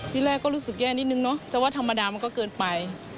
ที่แรกก็รู้สึกแย่นิดนึงเนาะแต่ว่าธรรมดามันก็เกินไป